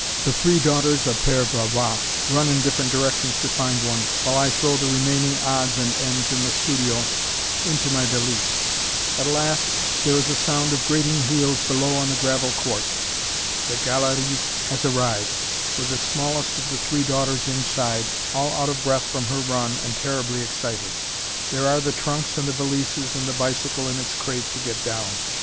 The three daughters of Père Valois run in different directions to find one, while I throw the remaining odds and ends in the studio into my valise. At last there is a sound of grating wheels below on the gravel court. The "galerie" has arrived with the smallest of the three daughters inside, all out of breath from her run and terribly excited. There are the trunks and the valises and the bicycle in its crate to get down.